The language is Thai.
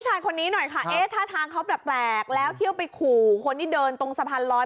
ชายคนนี้หน่อยค่ะเอ๊ะท่าทางเขาแปลกแล้วเที่ยวไปขู่คนที่เดินตรงสะพานลอย